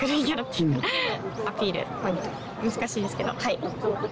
難しいですけど。